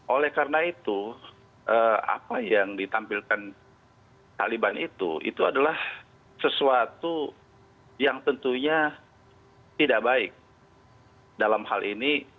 oleh karena itu apa yang ditampilkan taliban itu itu adalah sesuatu yang tentunya tidak baik dalam hal ini